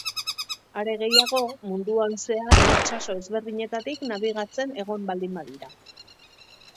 Are gehiago, munduan zehar itsaso ezberdinetatik nabigatzen egon baldin badira.